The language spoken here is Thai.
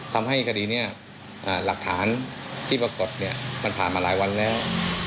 ความให้คดีเนี่ยหลักฐานที่ปรากฎเนี่ยมันผ่านมาหลายวันแล้ว